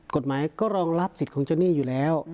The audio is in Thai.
กฎหมายก็รองรับสิทธิ์ของเจ้าหนี้อยู่แล้ว